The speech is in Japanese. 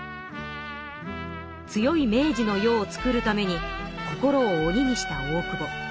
強い明治の世をつくるために心をおににした大久保。